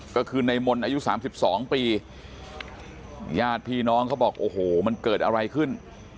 ก็คือในมนต์อายุ๓๒ปีญาติพี่น้องเขาบอกโอ้โหมันเกิดอะไรขึ้น